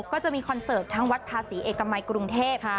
ก็จะมีคอนเสิร์ตทั้งวัดภาษีเอกมัยกรุงเทพ